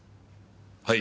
はい。